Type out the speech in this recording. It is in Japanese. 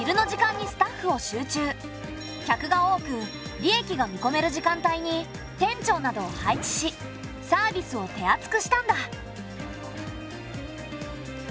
客が多く利益が見込める時間帯に店長などを配置しサービスを手厚くしたんだ。